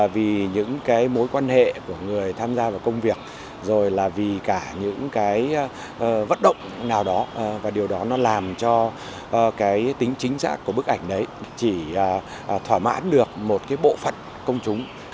vì những cái mối quan hệ của người tham gia vào công việc rồi là vì cả những cái vận động nào đó và điều đó nó làm cho cái tính chính xác của bức ảnh đấy chỉ thỏa mãn được một cái bộ phận công chúng